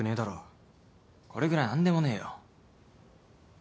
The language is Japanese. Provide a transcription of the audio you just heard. これぐらい何でもねえよ。